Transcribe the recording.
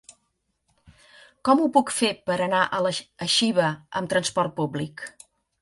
Com ho puc fer per anar a Xiva amb transport públic?